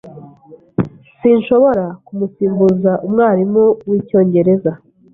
Sinshobora kumusimbuza umwarimu wicyongereza.